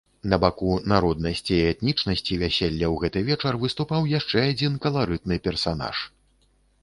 На баку народнасці і этнічнасці вяселля ў гэты вечар выступаў яшчэ адзін каларытны персанаж.